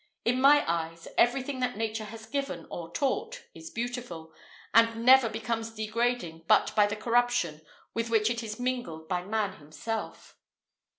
In my eyes, everything that nature has given or taught, is beautiful; and never becomes degrading but by the corruption with which it is mingled by man himself."